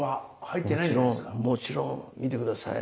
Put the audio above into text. もちろん見て下さい。